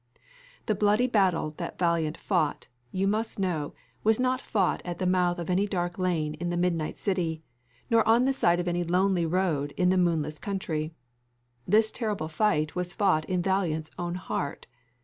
The bloody battle that Valiant fought, you must know, was not fought at the mouth of any dark lane in the midnight city, nor on the side of any lonely road in the moonless country. This terrible fight was fought in Valiant's own heart.